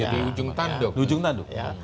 di ujung tanduk